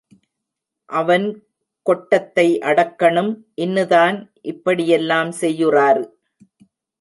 அவன் கொட்டத்தை அடக்கணும் இன்னுதான் இப்படியெல்லாம் செய்யுறாரு.